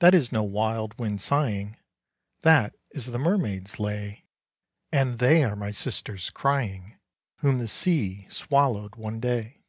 "That is no wild wind sighing, That is the mermaid's lay; And they are my sisters crying, Whom the sea swallowed one day."